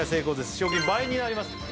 賞金倍になりますえ